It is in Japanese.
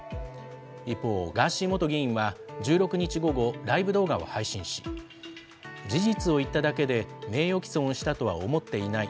一方、ガーシー元議員は１６日午後、ライブ動画を配信し、事実を言っただけで名誉棄損したとは思っていない。